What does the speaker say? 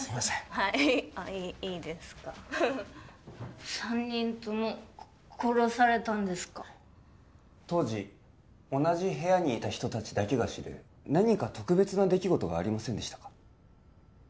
はいいいですか三人ともここ殺されたんですか当時同じ部屋にいた人達だけが知る何か特別な出来事がありませんでしたか？